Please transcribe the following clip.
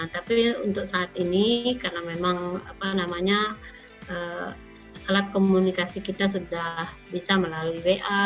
tapi untuk saat ini karena memang alat komunikasi kita sudah bisa melalui wa